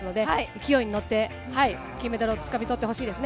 勢いに乗って金メダルを掴み取ってほしいです。